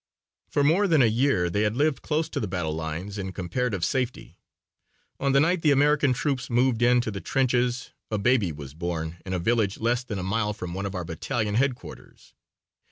For more than a year they had lived close to the battle lines in comparative safety. On the night the American troops moved in to the trenches a baby was born in a village less than a mile from one of our battalion headquarters.